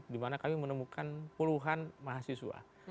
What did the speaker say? dimana kami menemukan puluhan mahasiswa